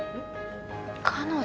彼女？